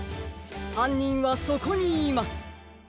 はんにんはそこにいます。